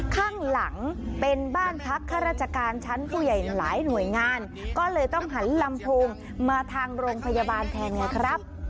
ข้างหลังเป็นบ้านพักข้าราชการชั้นผู้ใหญ่หลายหน่วยงานก็เลยต้องหันลำโพงมาทางโรงพยาบาลแทนไงครับ